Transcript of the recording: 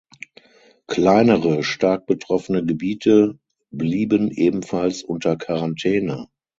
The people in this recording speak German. Kleinere stark betroffene Gebiete blieben ebenfalls unter Quarantäne.